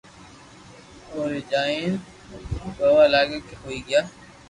اووي جائين رووا لاگيا ڪي ھوئي گيا